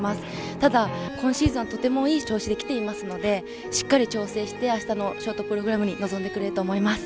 ただ今シーズンはとてもいい調子できていますのでしっかり調整してあしたのショートプログラムに臨んでくれると思います。